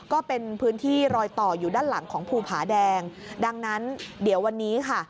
ก็เป็นพื้นที่รอยต่ออยู่ด้านหลังของภูผาแดงดังนั้นเดี๋ยววันนี้ค่ะ